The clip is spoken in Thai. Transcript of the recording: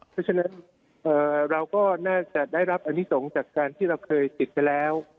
เพราะฉะนั้นเราก็น่าจะได้รับอนิสงฆ์จากการที่เราเคยติดไปแล้ว